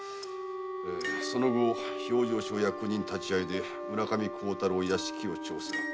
「その後評定所役人立ち会いで村上幸太郎屋敷を調査」